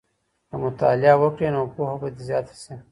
که مطالعه وکړې نو پوهه به دې زیاته سي.